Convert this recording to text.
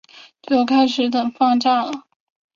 就开始等放假啦